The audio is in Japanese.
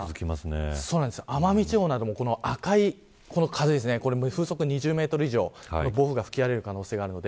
奄美地方なども赤い風、風速２０メートル以上の暴風が吹き荒れる可能性があります。